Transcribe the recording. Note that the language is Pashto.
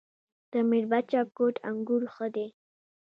د میربچه کوټ انګور ښه دي